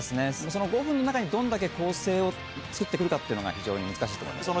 その５分の中にどんだけ構成をつくってくるかが非常に難しいと思います。